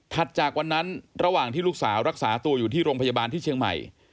จากวันนั้นระหว่างที่ลูกสาวรักษาตัวอยู่ที่โรงพยาบาลที่เชียงใหม่